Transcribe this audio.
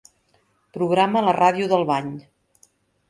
Programa la ràdio del bany.